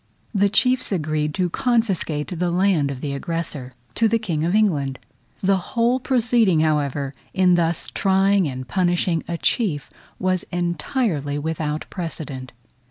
The chiefs agreed to confiscate the land of the aggressor to the King of England. The whole proceeding, however, in thus trying and punishing a chief was entirely without precedent.